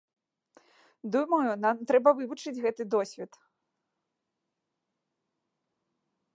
Думаю, нам трэба вывучыць гэты досвед.